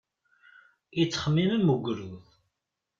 Yettxemmim am ugrud.